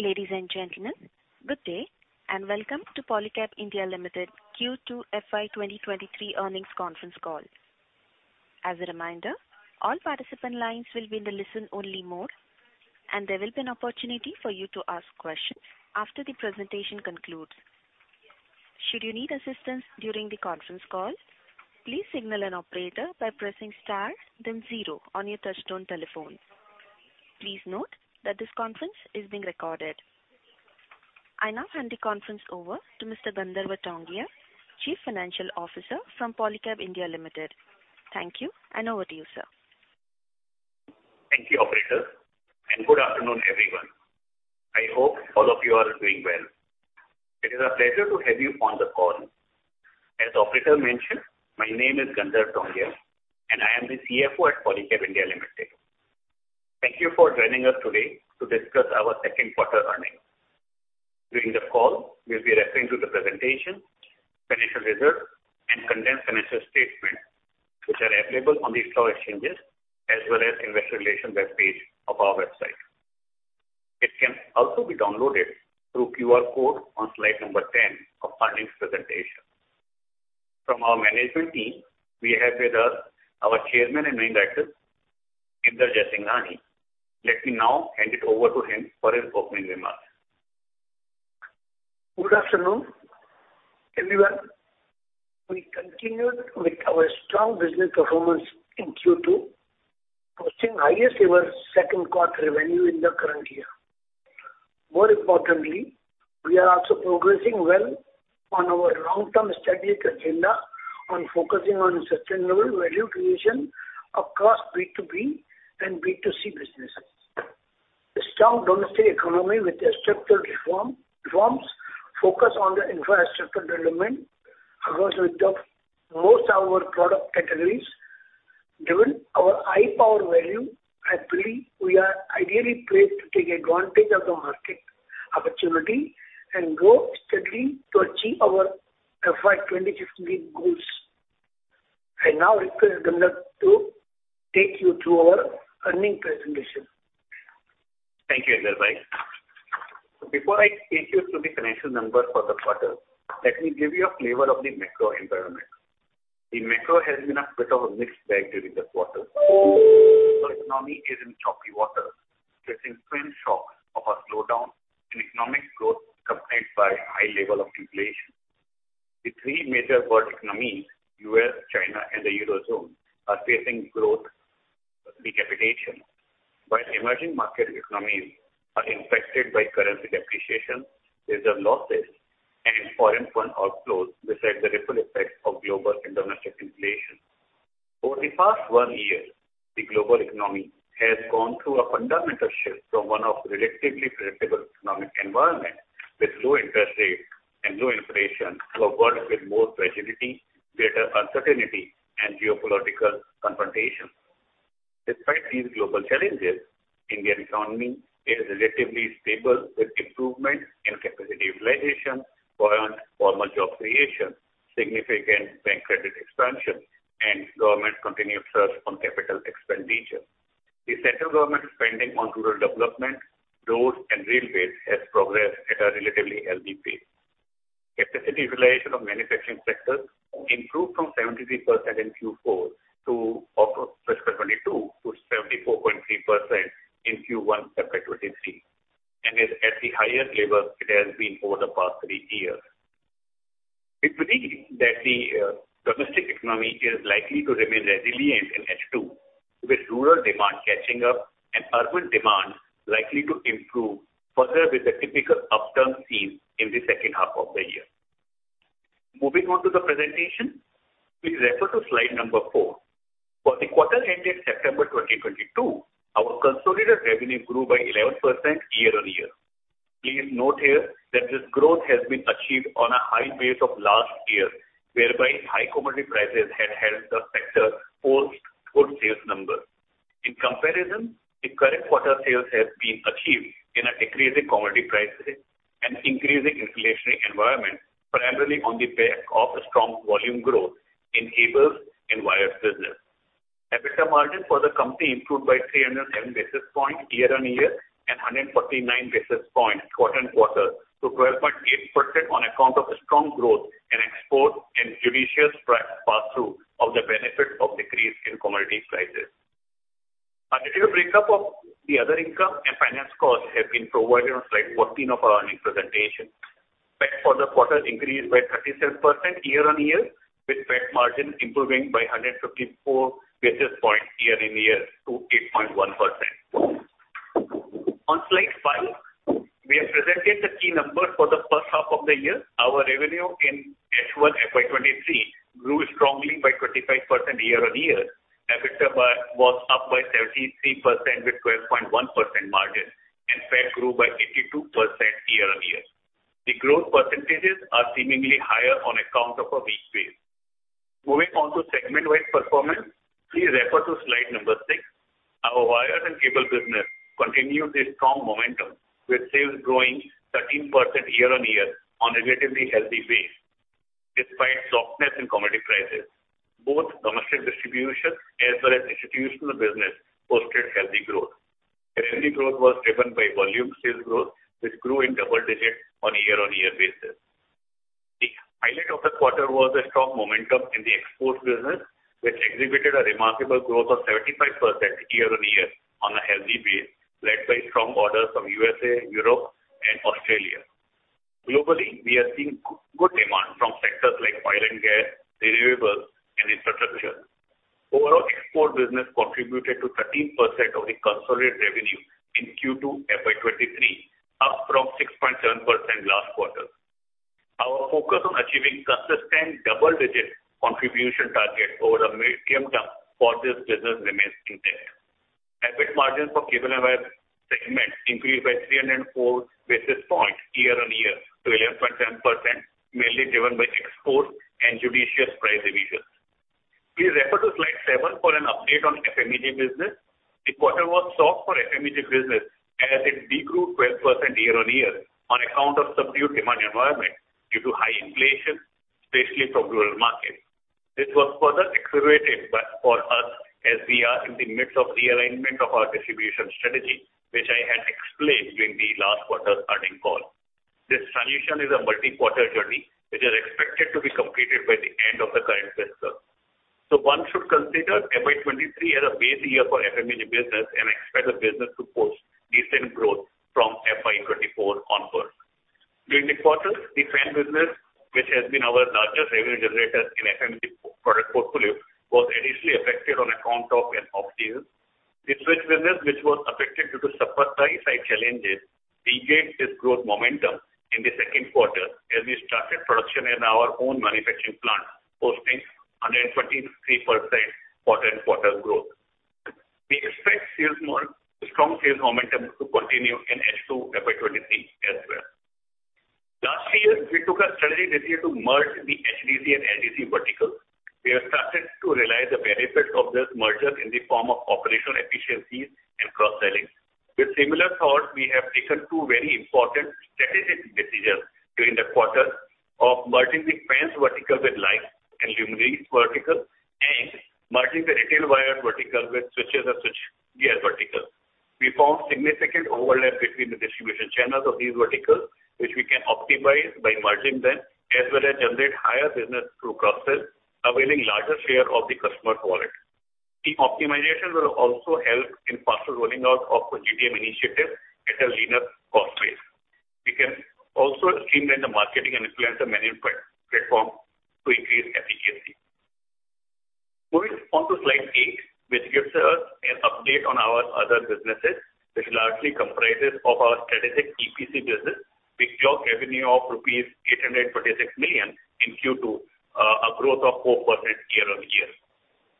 Ladies and gentlemen, good day, and welcome to Polycab India Limited Q2 FY 2023 earnings conference call. As a reminder, all participant lines will be in the listen-only mode, and there will be an opportunity for you to ask questions after the presentation concludes. Should you need assistance during the conference call, please signal an operator by pressing star then zero on your touchtone telephone. Please note that this conference is being recorded. I now hand the conference over to Mr. Gandharv Tongia, Chief Financial Officer from Polycab India Limited. Thank you, and over to you, sir. Thank you, operator, and good afternoon, everyone. I hope all of you are doing well. It is a pleasure to have you on the call. As operator mentioned, my name is Gandharv Tongia, and I am the CFO at Polycab India Limited. Thank you for joining us today to discuss our Q2 earnings. During the call, we'll be referring to the presentation, financial results, and condensed financial statement, which are available on the stock exchanges as well as investor relations web page of our website. It can also be downloaded through QR code on slide number 10 of earnings presentation. From our management team, we have with us our Chairman and Managing Director, Inder Jaisinghani. Let me now hand it over to him for his opening remarks. Good afternoon, everyone. We continued with our strong business performance in Q2, posting highest ever Q2 revenue in the current year. More importantly, we are also progressing well on our long-term strategic agenda on focusing on sustainable value creation across B2B and B2C businesses. The strong domestic economy with structural reform, reforms focus on the infrastructure development across almost all our product categories. Given our high power value, I believe we are ideally placed to take advantage of the market opportunity and grow steadily to achieve our FY 2026 goals. I now request Gandharv Tongia to take you through our earnings presentation. Thank you, Inder bhai. Before I take you through the financial numbers for the quarter, let me give you a flavor of the macro environment. The macro has been a bit of a mixed bag during this quarter. Our economy is in choppy waters, facing twin shocks of a slowdown in economic growth accompanied by high level of inflation. The three major world economies, U.S., China, and the Eurozone, are facing growth decapitation, while emerging market economies are infected by currency depreciation, reserve losses, and foreign fund outflows besides the ripple effect of global and domestic inflation. Over the past one year, the global economy has gone through a fundamental shift from one of relatively predictable economic environment with low interest rates and low inflation to a world with more fragility, greater uncertainty, and geopolitical confrontation. Despite these global challenges, Indian economy is relatively stable with improvements in capacity utilization, buoyant formal job creation, significant bank credit expansion, and government continued surge on capital expenditure. The central government spending on rural development, roads, and railways has progressed at a relatively healthy pace. Capacity utilization of manufacturing sector improved from 73% in Q4 October 2022 to 74.3% in Q1 September 2023, and is at the highest level it has been over the past three years. We believe that the domestic economy is likely to remain resilient in H2, with rural demand catching up and urban demand likely to improve further with the typical upturn seen in the second half of the year. Moving on to the presentation. Please refer to slide number four. For the quarter ending September 2022, our consolidated revenue grew by 11% year-over-year. Please note here that this growth has been achieved on a high base of last year, whereby high commodity prices had helped the sector post good sales numbers. In comparison, the current quarter sales has been achieved in a decreasing commodity prices and increasing inflationary environment, primarily on the back of strong volume growth in cables and wires business. EBITDA margin for the company improved by 307 basis points year-over-year and 149 basis points quarter-on-quarter to 12.8% on account of strong growth in export and judicious pass-through of the benefit of decrease in commodity prices. A detailed break-up of the other income and finance costs have been provided on slide 14 of our earnings presentation. PAT for the quarter increased by 37% year-on-year, with PAT margin improving by 154 basis points year-over-year to 8.1%. On slide five, we have presented the key numbers for the first half of the year. Our revenue in H1 FY 2023 grew strongly by 25% year-over-year. EBITDA was up by 33% with 12.1% margin, and PAT grew by 82% year-over-year. The growth percentages are seemingly higher on account of a weak base. Moving on to segment-wide performance, please refer to slide number six. Our wires and cable business continued the strong momentum, with sales growing 13% year-over-year on a relatively healthy base. Despite softness in commodity prices, both domestic distribution as well as institutional business posted healthy growth. Revenue growth was driven by volume sales growth, which grew in double digits on a year-over-year basis. The highlight of the quarter was the strong momentum in the export business, which exhibited a remarkable growth of 75% year-over-year on a healthy base, led by strong orders from USA, Europe and Australia. Globally, we are seeing good demand from sectors like oil and gas, renewables and infrastructure. Overall export business contributed to 13% of the consolidated revenue in Q2 FY 2023, up from 6.7% last quarter. Our focus on achieving consistent double-digit contribution target over a mid-term for this business remains intact. EBIT margin for cable and wire segment increased by three and four basis points year-over-year to 11.7%, mainly driven by exports and judicious price revisions. Please refer to slide seven for an update on FMEG business. The quarter was soft for FMEG business as it de-grew 12% year-over-year on account of subdued demand environment due to high inflation, especially from rural markets. This was further accelerated by for us as we are in the midst of rearrangement of our distribution strategy, which I had explained during the last quarter earnings call. This transition is a multi-quarter journey, which is expected to be completed by the end of the current fiscal. One should consider FY 2023 as a base year for FMEG business and expect the business to post decent growth from FY 2024 onwards. During the quarter, the fan business, which has been our largest revenue generator in FMEG product portfolio, was initially affected on account of an off-season. The switch business which was affected due to supplier side challenges regained its growth momentum in the Q2 as we started production in our own manufacturing plant, posting 123% quarter-on-quarter growth. We expect strong sales momentum to continue in H2 FY 2023 as well. Last year, we took a strategic decision to merge the HDC and LDC verticals. We have started to realize the benefits of this merger in the form of operational efficiencies and cross-selling. With similar thought, we have taken two very important strategic decisions during the quarter of merging the fans vertical with lights and luminaires vertical and merging the retail wire vertical with switches and switch gear vertical. We found significant overlap between the distribution channels of these verticals, which we can optimize by merging them as well as generate higher business through cross-sell, availing larger share of the customer wallet. The optimization will also help in faster rolling out of the GTM initiative at a leaner cost base. We can also streamline the marketing and influencer management platform to increase efficiency. Moving on to slide eight, which gives us an update on our other businesses, which largely comprises of our strategic EPC business, which drove revenue of rupees 826 million in Q2, a growth of 4% year-over-year.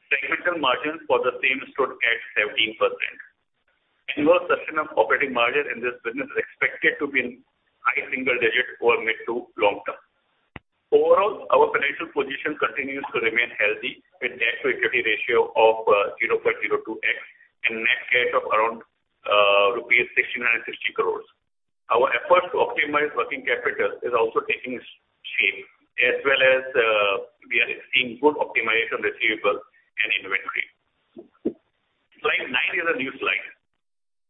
Segmental margins for the same stood at 17%. Annual sustainable operating margin in this business is expected to be in high single digits over mid to long term. Overall, our financial position continues to remain healthy with debt to equity ratio of 0.02x and net cash of around rupees 1,660 crores. Our efforts to optimize working capital is also taking shape as well as we are seeing good optimization of receivables and inventory. Slide nine is a new slide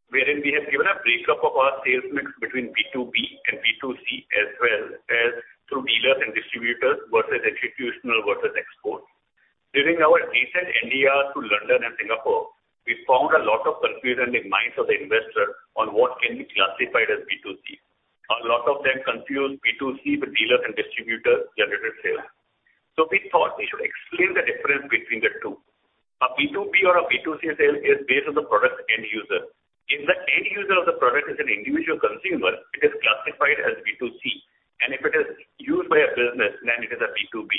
wherein we have given a breakup of our sales mix between B2B and B2C as well as through dealers and distributors versus institutional versus export. During our recent NDR to London and Singapore, we found a lot of confusion in minds of the investor on what can be classified as B2C. A lot of them confuse B2C with dealer and distributor generated sales. We thought we should explain the difference between the two. A B2B or a B2C sale is based on the product's end user. If the end user of the product is an individual consumer, it is classified as B2C, and if it is used by a business, then it is a B2B.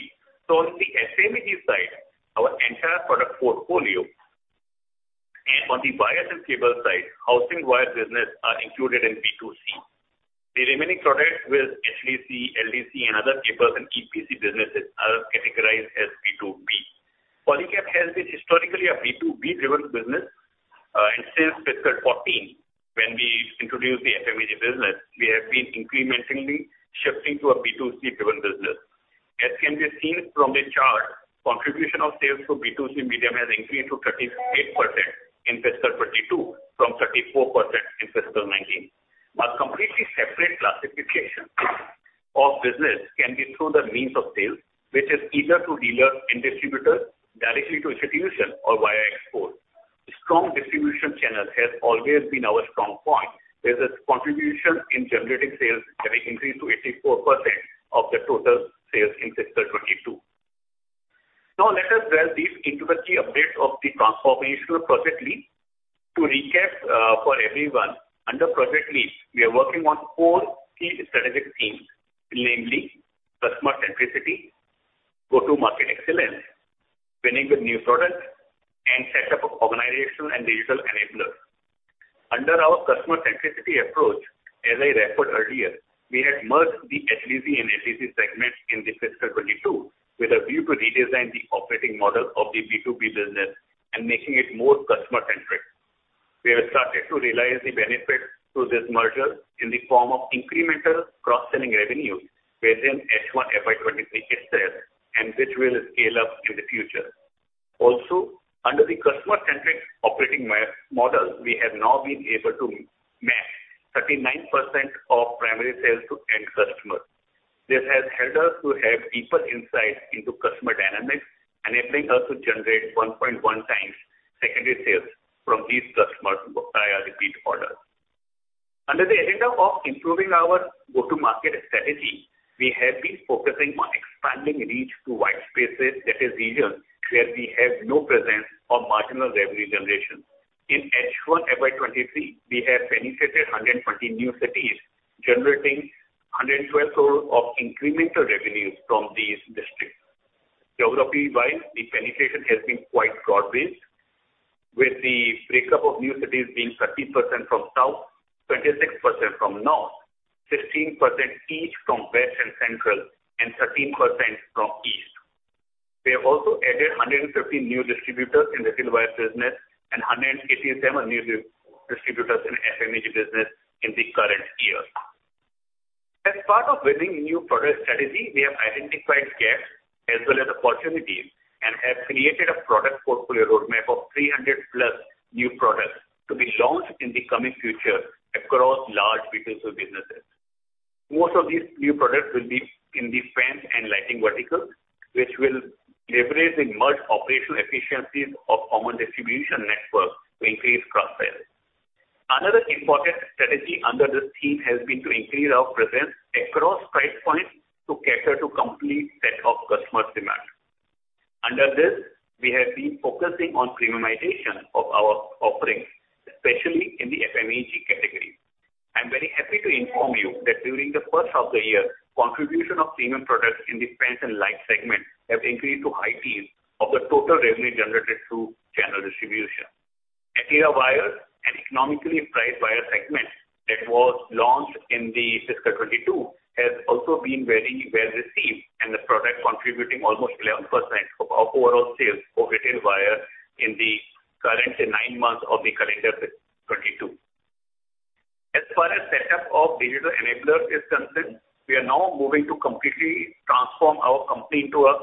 On the FMEG side, our entire product portfolio and on the wires and cable side, housing wire business are included in B2C. The remaining products with HDC, LDC and other products and EPC businesses are categorized as B2B. Polycab has been historically a B2B driven business. Since fiscal 2014 when we introduced the FMEG business, we have been incrementally shifting to a B2C driven business. As can be seen from the chart, contribution of sales through B2C medium has increased to 38% in fiscal 2022 from 34% in fiscal 2019. Completely separate classification of business can be through the means of sales, which is either through dealer and distributor, directly to institution or via export. Strong distribution channel has always been our strong point with its contribution in generating sales having increased to 84% of the total sales in fiscal 2022. Now let us delve deep into the key updates of the transformational Project Leap. To recap, for everyone, under Project Leap, we are working on four key strategic themes, namely customer centricity, go-to-market excellence, winning with new products, and set up organizational and digital enablers. Under our customer centricity approach, as I referred earlier, we had merged the HDC and LDC segments in the fiscal 2022 with a view to redesign the operating model of the B2B business and making it more customer centric. We have started to realize the benefit to this merger in the form of incremental cross-selling revenue within H1 FY 2023 itself, and which will scale up in the future. Also, under the customer-centric operating model, we have now been able to match 39% of primary sales to end customer. This has helped us to have deeper insight into customer dynamics and enabling us to generate 1.1 times secondary sales from these customers via repeat orders. Under the agenda of improving our go-to-market strategy, we have been focusing on expanding reach to white spaces, that is, regions where we have no presence or marginal revenue generation. In H1 FY 2023, we have penetrated 120 new cities, generating 112 crore of incremental revenues from these districts. Geography wise, the penetration has been quite broad-based, with the breakup of new cities being 30% from South, 26% from North, 15% each from West and Central, and 13% from East. We have also added 150 new distributors in retail wire business and 187 new distributors in FMEG business in the current year. As part of building new product strategy, we have identified gaps as well as opportunities and have created a product portfolio roadmap of 300+ new products to be launched in the coming future across large B2C businesses. Most of these new products will be in the fans and lighting verticals, which will leverage the merged operational efficiencies of common distribution network to increase cross-sell. Another important strategy under this theme has been to increase our presence across price points to cater to complete set of customer demand. Under this, we have been focusing on premiumization of our offerings, especially in the FMEG category. I'm very happy to inform you that during the first half of the year, contribution of premium products in the fans and light segment have increased to high teens% of the total revenue generated through channel distribution. Etira wire, an economically priced wire segment that was launched in the fiscal 2022, has also been very well received and the product contributing almost 11% of our overall sales for retail wire in the current nine months of the calendar 2022. As far as setup of digital enablers is concerned, we are now moving to completely transform our company into a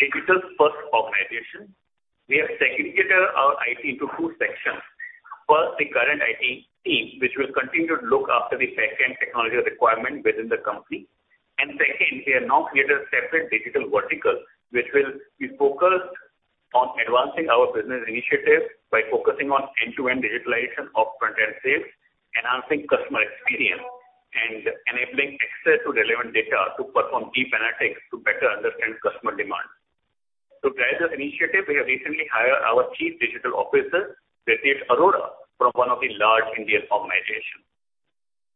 digital first organization. We have segregated our IT into two sections. First, the current IT team, which will continue to look after the back-end technology requirement within the company. Second, we have now created a separate digital vertical, which will be focused on advancing our business initiatives by focusing on end-to-end digitalization of front-end sales, enhancing customer experience, and enabling access to relevant data to perform deep analytics to better understand customer demand. To drive this initiative, we have recently hired our Chief Digital Officer, Ritesh Arora, from one of the large Indian organization.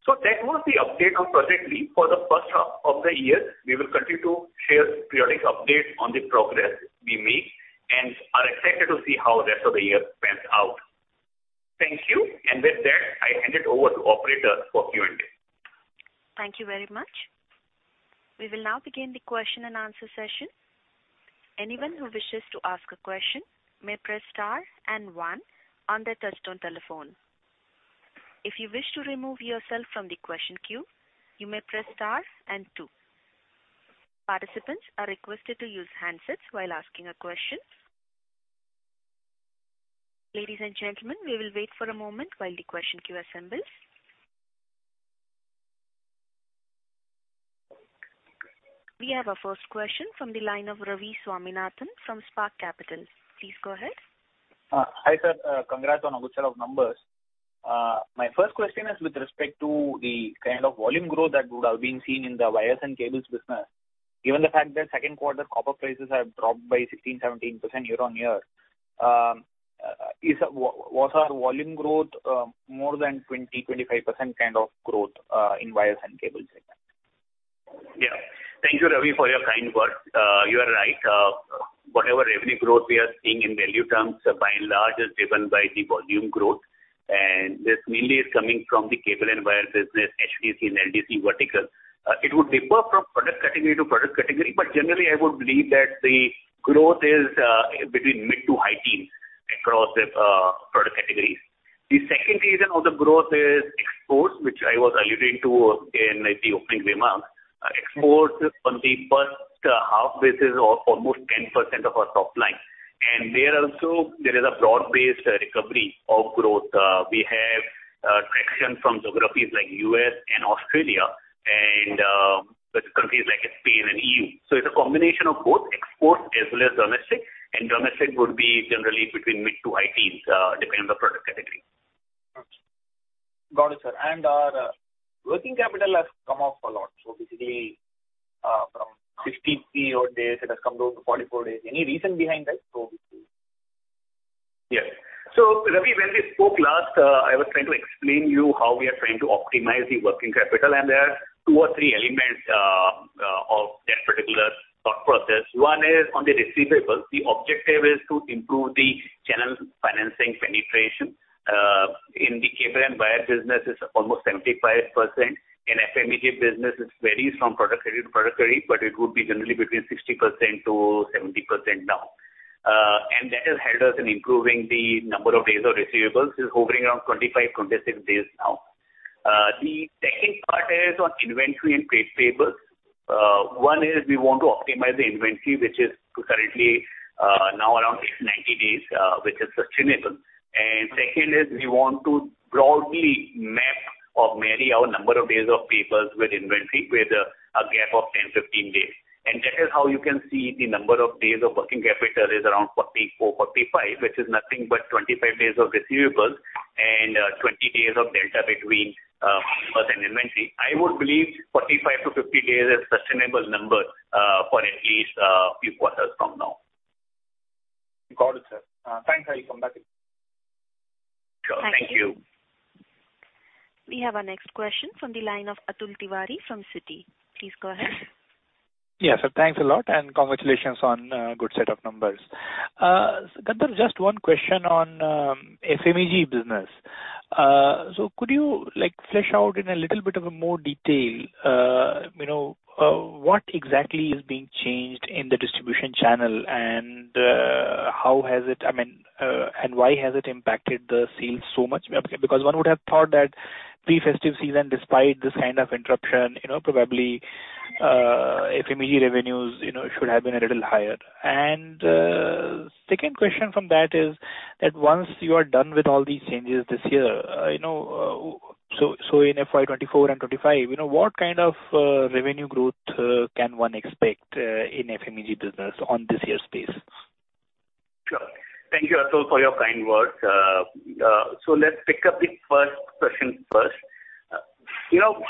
That was the update on Project Leap for the first half of the year. We will continue to share periodic updates on the progress we make and are excited to see how rest of the year pans out. Thank you. With that, I hand it over to operator for Q&A. Thank you very much. We will now begin the question and answer session. Anyone who wishes to ask a question may press star and one on their touchtone telephone. If you wish to remove yourself from the question queue, you may press star and two. Participants are requested to use handsets while asking a question. Ladies and gentlemen, we will wait for a moment while the question queue assembles. We have our first question from the line of Ravi Swaminathan from Spark Capital. Please go ahead. Hi, sir. Congrats on a good set of numbers. My first question is with respect to the kind of volume growth that would have been seen in the wires and cables business, given the fact that Q2 copper prices have dropped by 16%-17% year-over-year. Is our volume growth more than 20%-25% kind of growth in wires and cables segment? Yeah. Thank you, Ravi, for your kind words. You are right. Whatever revenue growth we are seeing in value terms, by and large, is driven by the volume growth, and this mainly is coming from the cable and wire business, HDC and LDC vertical. It would differ from product category to product category, but generally I would believe that the growth is between mid- to high-teens across the product categories. The second reason of the growth is exports, which I was alluding to in the opening remarks. Exports on the first half basis are almost 10% of our top line. There also is a broad-based recovery of growth. We have traction from geographies like U.S. and Australia and with countries like Spain and EU. It's a combination of both exports as well as domestic, and domestic would be generally between mid- to high teens%, depending on the product category. Got it, sir. Our working capital has come up a lot, so basically, from 53 odd days it has come down to 44 days. Any reason behind that? Ravi, when we spoke last, I was trying to explain you how we are trying to optimize the working capital, and there are two or three elements of that particular thought process. One is on the receivables. The objective is to improve the channel financing penetration. In the cable and wire business it's almost 75%. In FMEG business it varies from product category to product category, but it would be generally between 60%-70% now. And that has helped us in improving the number of days of receivables. It's hovering around 25, 26 days now. The second part is on inventory and trade payables. One is we want to optimize the inventory, which is currently, now around 80-90 days, which is sustainable. Second is we want to broadly map or marry our number of days of payables with inventory with a gap of 10-15 days. That is how you can see the number of days of working capital is around 44-45, which is nothing but 25 days of receivables and 20 days of delta between payables and inventory. I would believe 45-50 days is sustainable number for at least a few quarters from now. Got it, sir. Thanks, I'll come back. Sure. Thank you. Thank you. We have our next question from the line of Atul Tiwari from Citi. Please go ahead. Yeah. Thanks a lot and congratulations on good set of numbers. Gandharv, just one question on FMEG business. Could you, like, flesh out in a little bit of a more detail, you know, what exactly is being changed in the distribution channel, and how has it, I mean, and why has it impacted the sales so much? Because one would have thought that pre-festive season, despite this kind of interruption, you know, probably, FMEG revenues, you know, should have been a little higher. Second question from that is that once you are done with all these changes this year, you know, so in FY 2024 and 2025, you know, what kind of revenue growth can one expect in FMEG business on this year's pace? Sure. Thank you, Atul, for your kind words. Let's pick up the first question first. You know,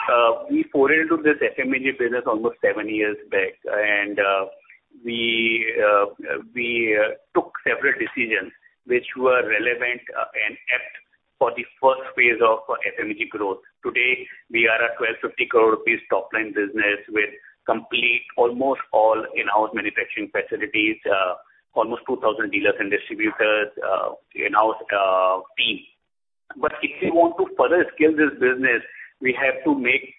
we poured into this FMEG business almost seven years back, and we took several decisions which were relevant and apt for the first phase of FMEG growth. Today, we are a 1,250 crore rupees top-line business with almost all in-house manufacturing facilities, almost 2,000 dealers and distributors, in-house team. If we want to further scale this business, we have to make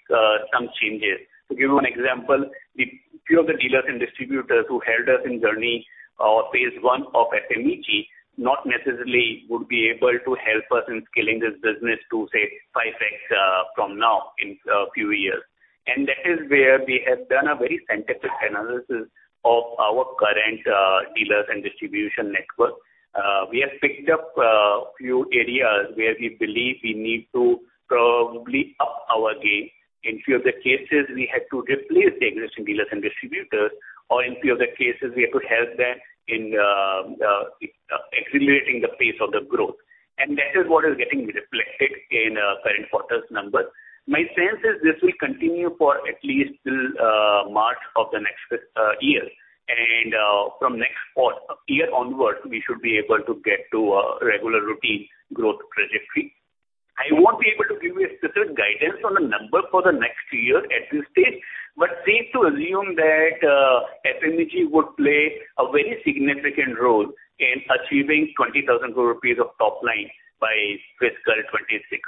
some changes. To give you an example, a few of the dealers and distributors who helped us in journey or phase one of FMEG not necessarily would be able to help us in scaling this business to, say, 5x from now in a few years. That is where we have done a very scientific analysis of our current dealers and distribution network. We have picked up a few areas where we believe we need to probably up our game. In few of the cases, we had to replace the existing dealers and distributors, or in few of the cases, we had to help them in accelerating the pace of the growth. That is what is getting reflected in current quarter's numbers. My sense is this will continue for at least till March of the next year. From next year onwards, we should be able to get to a regular routine growth trajectory. I won't be able to give you a specific guidance on the number for the next year at this stage, but safe to assume that FMEG would play a very significant role in achieving 20,000 crore rupees of top line by fiscal 2026.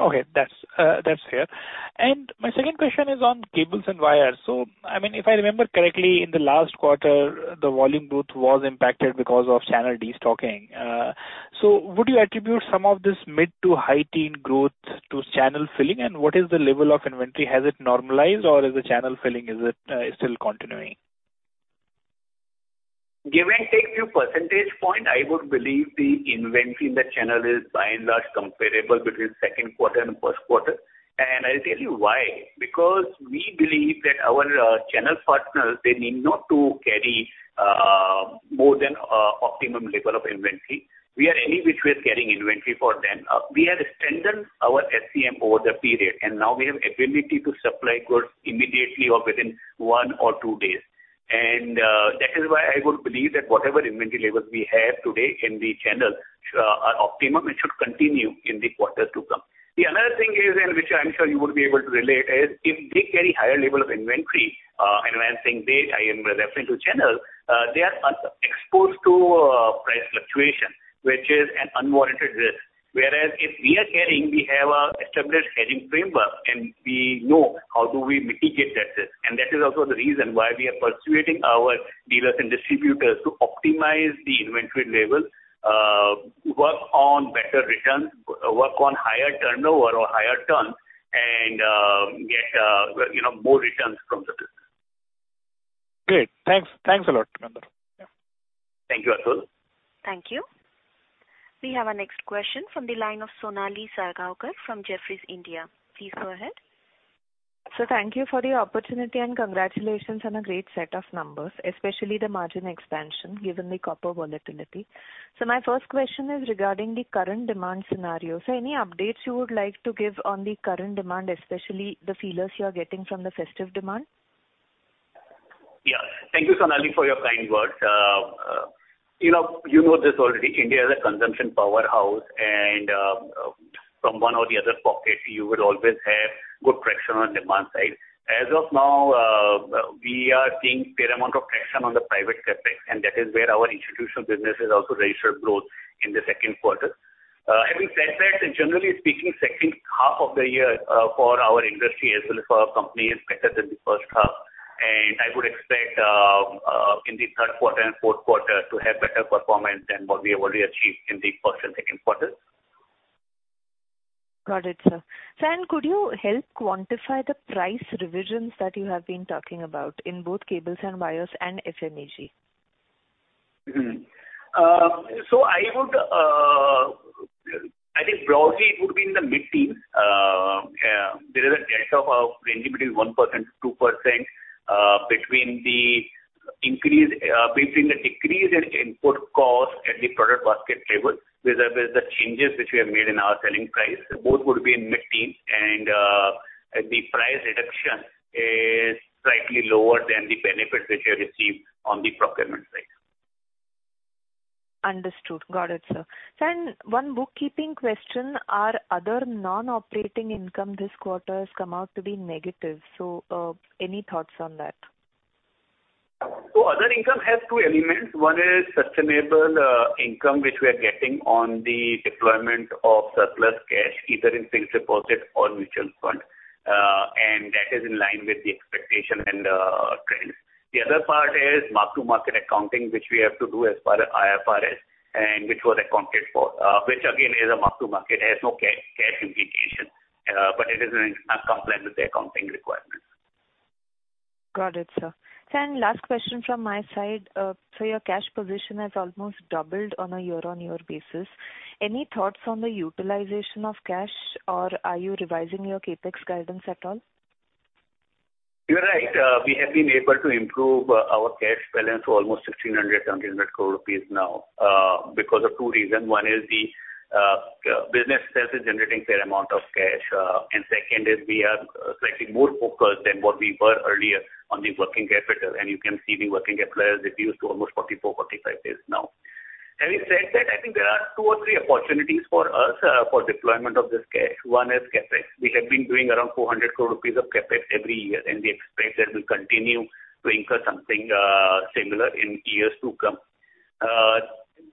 Okay. That's clear. My second question is on cables and wires. I mean, if I remember correctly, in the last quarter, the volume growth was impacted because of channel destocking. Would you attribute some of this mid- to high-teen growth to channel filling? What is the level of inventory? Has it normalized or is the channel filling still continuing? Give or take few percentage point, I would believe the inventory in the channel is by and large comparable between Q2 and Q1. I'll tell you why. Because we believe that our channel partners, they need not to carry more than optimum level of inventory. We are any which way carrying inventory for them. We have strengthened our SCM over the period, and now we have ability to supply goods immediately or within one or two days. That is why I would believe that whatever inventory levels we have today in the channels are optimum and should continue in the quarters to come. The other thing is, which I'm sure you would be able to relate, is if they carry higher level of inventory, and when I'm saying they, I am referring to channels, they are unexposed to price fluctuation, which is an unwarranted risk. Whereas if we are carrying, we have an established hedging framework, and we know how do we mitigate that risk. That is also the reason why we are persuading our dealers and distributors to optimize the inventory levels, work on better returns, work on higher turnover or higher turns and, get you know, more returns from the business. Great. Thanks. Thanks a lot, Gandharv. Yeah. Thank you, Atul. Thank you. We have our next question from the line of Sonali Salgaonkar from Jefferies India. Please go ahead. Sir, thank you for the opportunity, and congratulations on a great set of numbers, especially the margin expansion, given the copper volatility. My first question is regarding the current demand scenario. Sir, any updates you would like to give on the current demand, especially the feelers you are getting from the festive demand? Yeah. Thank you, Sonali, for your kind words. You know, you know this already. India is a consumption powerhouse, and from one or the other pocket, you would always have good traction on demand side. As of now, we are seeing fair amount of traction on the private CapEx, and that is where our institutional business has also registered growth in the Q2. Having said that, and generally speaking, second half of the year for our industry as well as for our company is better than the first half. I would expect in the Q3 and Q4 to have better performance than what we have already achieved in the Q1 and Q2. Got it, sir. Sir, could you help quantify the price revisions that you have been talking about in both cables and wires and FMEG? I think broadly it would be in the mid-teens. There is a range between 1%-2%, between the decrease in input cost and the product basket level. These are the changes which we have made in our selling price. Both would be in mid-teens and the price reduction is slightly lower than the benefit which we have received on the procurement side. Understood. Got it, sir. Sir, one bookkeeping question. Our other non-operating income this quarter has come out to be negative, so any thoughts on that? Other income has two elements. One is sustainable income which we are getting on the deployment of surplus cash, either in fixed deposit or mutual fund, and that is in line with the expectation and trends. The other part is mark-to-market accounting, which we have to do as part of IFRS and which was accounted for, which again is a mark-to-market. It has no cash implication, but it is in compliance with the accounting requirements. Got it, sir. Sir, last question from my side. Your cash position has almost doubled on a year-over-year basis. Any thoughts on the utilization of cash, or are you revising your CapEx guidance at all? You're right. We have been able to improve our cash balance to almost 1,600 crore- 1,700 crore rupees is now because of two reasons. One is the business itself is generating fair amount of cash. Second is we are slightly more focused than what we were earlier on the working capital. You can see the working capital has reduced to almost 44-45 days now. Having said that, I think there are two or three opportunities for us for deployment of this cash. One is CapEx. We have been doing around 400 crore rupees of CapEx every year, and we expect that we'll continue to incur something similar in years to come.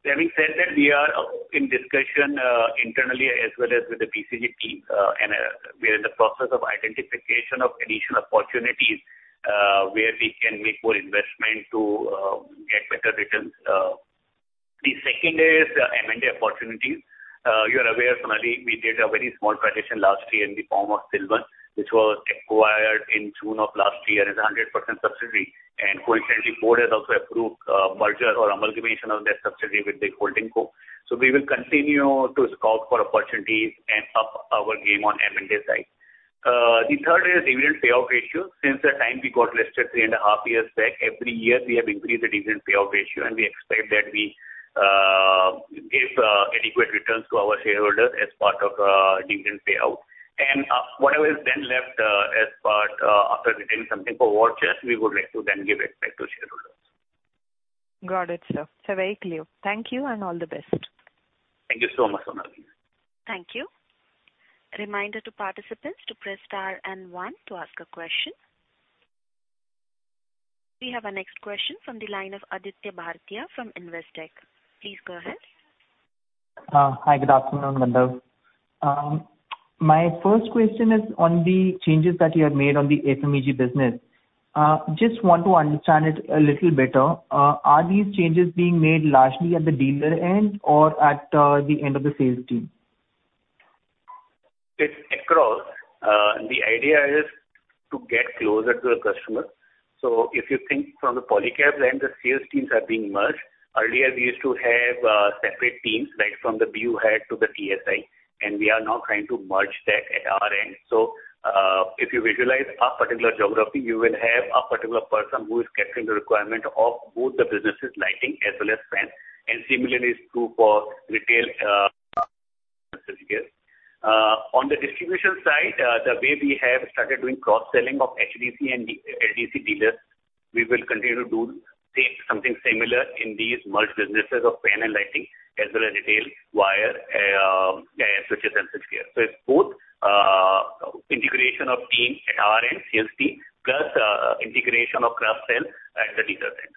Having said that, we are in discussion internally as well as with the BCG team, and we are in the process of identification of additional opportunities where we can make more investment to get better returns. The second is M&A opportunities. You are aware, Sonali, we did a very small acquisition last year in the form of Silvan, which was acquired in June of last year as a 100% subsidiary. Coincidentally, board has also approved merger or amalgamation of that subsidiary with the holding co. We will continue to scout for opportunities and up our game on M&A side. The third is dividend payout ratio. Since the time we got listed 3.5 years back, every year we have increased the dividend payout ratio, and we expect that we give adequate returns to our shareholders as part of dividend payout. Whatever is then left, as part after retaining something for war chest, we would like to then give it back to shareholders. Got it, sir. Sir, very clear. Thank you and all the best. Thank you so much, Sonali. Thank you. Reminder to participants to press star and one to ask a question. We have our next question from the line of Aditya Bhartia from Investec. Please go ahead. Hi. Good afternoon, Gandharv. My first question is on the changes that you have made on the FMEG business. Just want to understand it a little better. Are these changes being made largely at the dealer end or at the end of the sales team? It's across. The idea is to get closer to the customer. If you think from the Polycab lens, the sales teams have been merged. Earlier, we used to have separate teams, right from the BU head to the TSI, and we are now trying to merge that at our end. If you visualize a particular geography, you will have a particular person who is capturing the requirement of both the businesses, lighting as well as fan. Similarly is true for retail, switchgear. On the distribution side, the way we have started doing cross-selling of HDC and LDC dealers, we will continue to do same, something similar in these merged businesses of fan and lighting as well as retail, wire, switches and switchgear. It's both, integration of team at our end, sales team, plus, integration of cross-sell at the dealer end.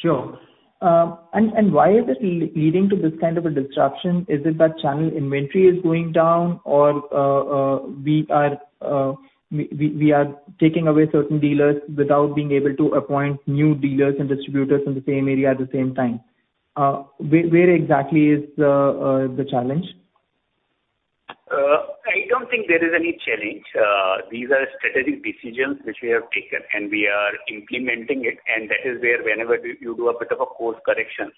Sure. Why is it leading to this kind of a disruption? Is it that channel inventory is going down or we are taking away certain dealers without being able to appoint new dealers and distributors in the same area at the same time? Where exactly is the challenge? I don't think there is any challenge. These are strategic decisions which we have taken, and we are implementing it. That is where whenever you do a bit of a course correction,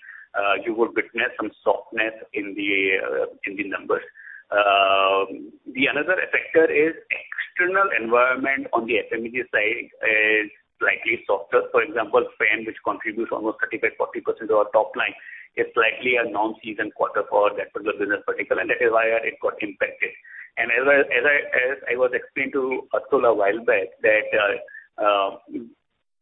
you would witness some softness in the numbers. Another factor is external environment on the FMEG side is slightly softer. For example, fan, which contributes almost 35%-40% of our top line, is slightly a non-seasonal quarter for that particular business vertical and that is why it got impacted. As I was explaining to Ursula a while back that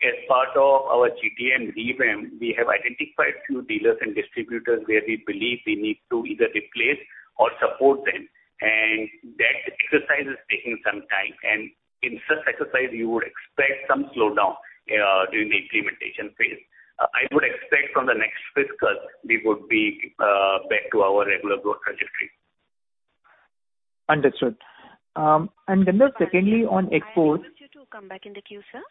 as part of our GTM revamp, we have identified few dealers and distributors where we believe we need to either replace or support them. That exercise is taking some time. In such exercise, you would expect some slowdown during the implementation phase. I would expect from the next fiscal, we would be back to our regular growth trajectory. Understood. Gandharv, secondly on export- I request you to come back in the queue, sir.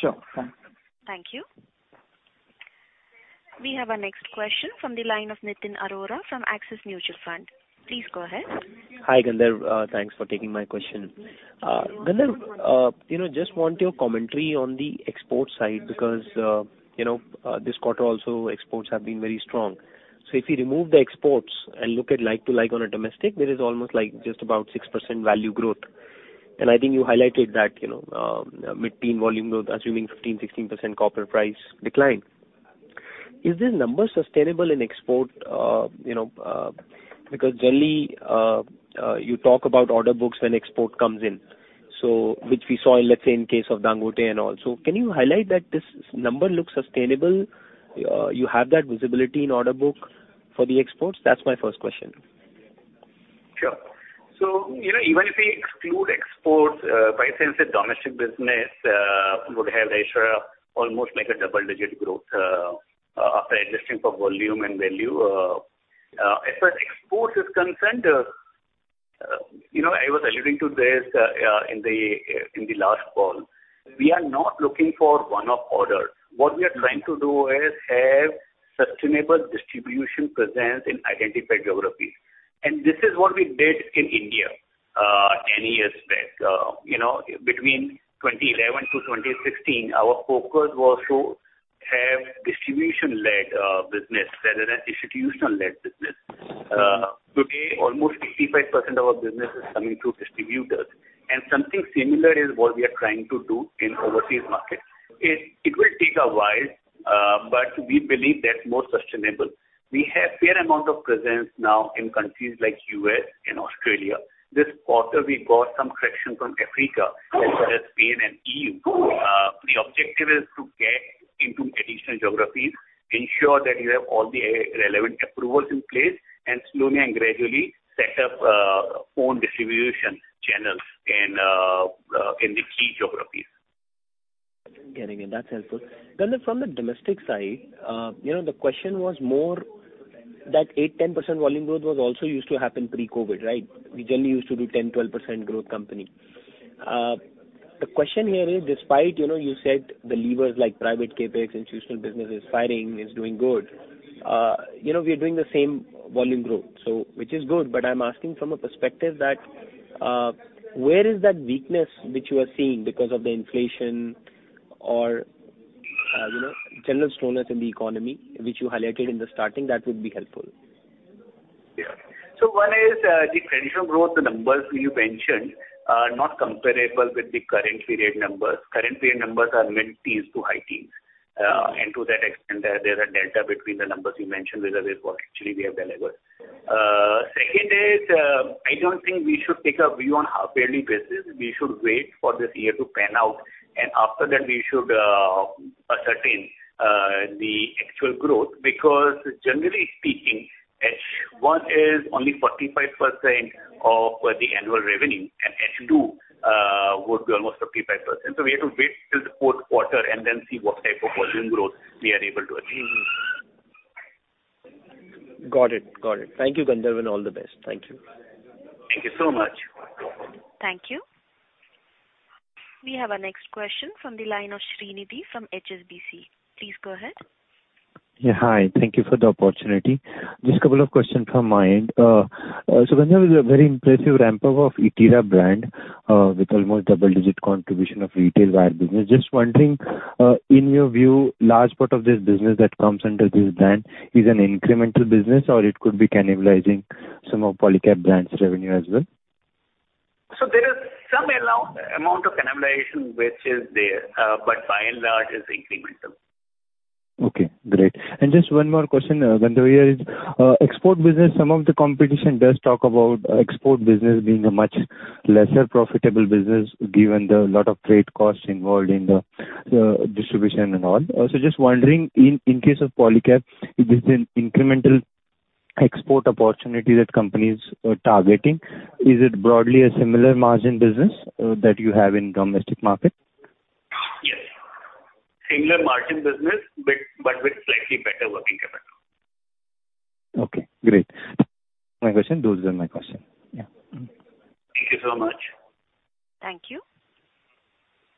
Sure. Thanks. Thank you. We have our next question from the line of Nitin Arora from Axis Mutual Fund. Please go ahead. Hi, Gandharv. Thanks for taking my question. Gandharv, you know, just want your commentary on the export side because, you know, this quarter also exports have been very strong. If you remove the exports and look at like-for-like on a domestic, there is almost like just about 6% value growth. I think you highlighted that, you know, mid-teen volume growth assuming 15%, 16% copper price decline. Is this number sustainable in export, you know, because generally, you talk about order books when export comes in, so which we saw, let's say in case of Dangote and all. Can you highlight that this number looks sustainable, you have that visibility in order book for the exports? That's my first question. Sure. You know, even if we exclude exports, in the sense of domestic business would have, I assure almost like a double-digit growth, after adjusting for volume and value. As far as export is concerned, you know, I was alluding to this, in the last call. We are not looking for one-off orders. What we are trying to do is have sustainable distribution presence in identified geographies. This is what we did in India, many years back. You know, between 2011-2016, our focus was to have distribution-led business rather than institutional-led business. Today, almost 85% of our business is coming through distributors, and something similar is what we are trying to do in overseas markets. It will take a while, but we believe that's more sustainable. We have fair amount of presence now in countries like U.S. and Australia. This quarter we got some traction from Africa as well as Spain and E.U. The objective is to get into additional geographies, ensure that you have all the relevant approvals in place, and slowly and gradually set up own distribution channels in the key geographies. Getting it. That's helpful. Gandharv, from the domestic side, you know, the question was more that 8%-10% volume growth was also used to happen pre-COVID, right? We generally used to be 10%-12% growth company. The question here is despite, you know, you said the levers like private CapEx, institutional business is firing, is doing good, you know, we are doing the same volume growth, so which is good, but I'm asking from a perspective that, where is that weakness which you are seeing because of the inflation or, you know, general slowness in the economy, which you highlighted in the starting, that would be helpful. Yeah. One is the financial growth, the numbers you mentioned are not comparable with the current period numbers. Current period numbers are mid-teens to high-teens. To that extent, there is a delta between the numbers you mentioned versus what actually we have delivered. Second is, I don't think we should take a view on half-yearly basis. We should wait for this year to pan out, and after that we should ascertain the actual growth. Because generally speaking, H1 is only 45% of the annual revenue, and H2 would be almost 55%. We have to wait till the Q4 and then see what type of volume growth we are able to achieve. Got it. Thank you, Gandharv, and all the best. Thank you. Thank you so much. Thank you. We have our next question from the line of Shrinidhi from HSBC. Please go ahead. Yeah, hi. Thank you for the opportunity. Just couple of questions from my end. Gandharv, a very impressive ramp-up of Etira brand, with almost double-digit contribution of retail wire business. Just wondering, in your view, large part of this business that comes under this brand is an incremental business or it could be cannibalizing some of Polycab brand's revenue as well? There is some amount of cannibalization which is there, but by and large it's incremental. Okay, great. Just one more question, Gandharv, here's export business. Some of the competition does talk about export business being a much less profitable business given a lot of trade costs involved in the distribution and all. Just wondering, in case of Polycab, is this an incremental export opportunity that companies are targeting? Is it broadly a similar margin business that you have in domestic market? Yes. Similar margin business, but with slightly better working capital. Okay, great. My question, those were my question. Yeah. Thank you so much. Thank you.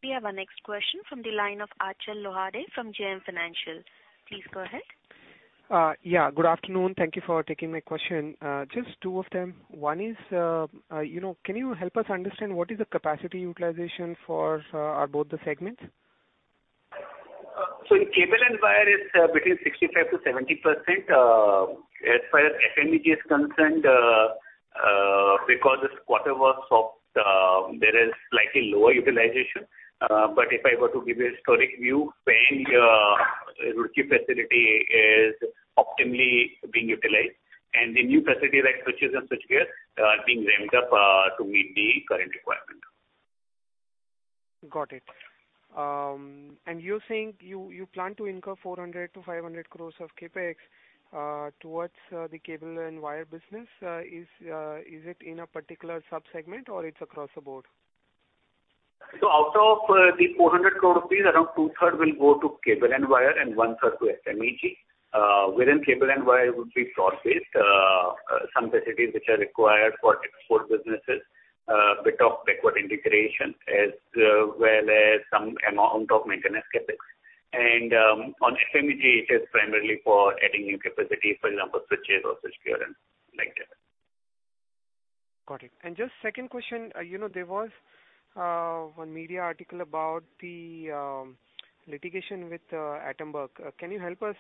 We have our next question from the line of Achal Lohade from JM Financial. Please go ahead. Yeah, good afternoon. Thank you for taking my question. Just two of them. One is, you know, can you help us understand what is the capacity utilization for both the segments? In cable and wire it's between 65%-70%. As far as FMEG is concerned, because this quarter was soft, there is slightly lower utilization. If I were to give a historic view, Fans Roorkee facility is optimally being utilized, and the new facility like switches and switchgear are being ramped up to meet the current requirement. Got it. You're saying you plan to incur 400 crore-500 crore of CapEx towards the cable and wire business. Is it in a particular sub-segment or it's across the board? Out of 400 crore rupees, around two-thirds will go to cable and wire and one-third to FMEG. Within cable and wire it would be plant-based. Some facilities which are required for export businesses, bit of backward integration as where there's some amount of maintenance CapEx. On FMEG it is primarily for adding new capacity, for example, switches or switchgear and like that. Got it. Just second question, you know, there was one media article about the litigation with Atomberg. Can you help us